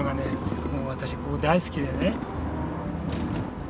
もう私ここ大好きでね。